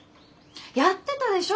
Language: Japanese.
やってたでしょ？